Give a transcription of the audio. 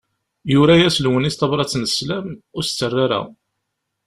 Yura-yas Lewnis tabrat n sslam, ur s-d-terri ara.